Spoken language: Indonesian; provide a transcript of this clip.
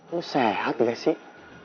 lo sehat gak sih